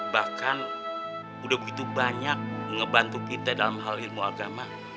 bahkan udah begitu banyak ngebantu kita dalam hal ilmu agama